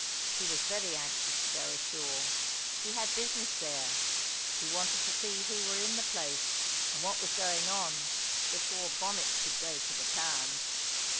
He was very anxious to go ashore; he had business there; he wanted to see who were in the place, and what was going on before Bonnet should go to the town.